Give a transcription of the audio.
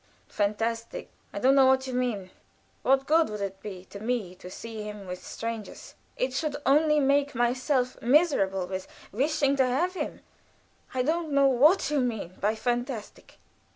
"Fantastic! I don't know what you mean. What good would it be to me to see him with strangers? I should only make myself miserable with wishing to have him. I don't know what you mean by fantastic."